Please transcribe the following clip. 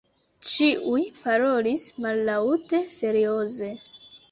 Ĉiuj parolis mallaŭte, serioze.